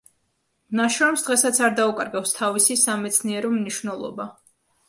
ნაშრომს დღესაც არ დაუკარგავს თავისი სამეცნიერო მნიშვნელობა.